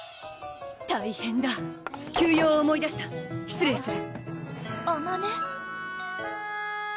大変だ急用を思い出した失礼するあまね？